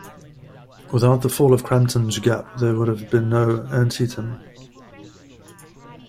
Without the fall of Crampton's Gap there would have been no Antietam.